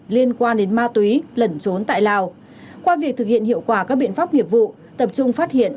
liên quan đến ma túy lẩn trốn tại lào qua việc thực hiện hiệu quả các biện pháp nghiệp vụ tập trung phát hiện